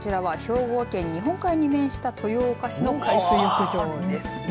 こちらは兵庫県日本海に面した豊岡市の海水浴場です。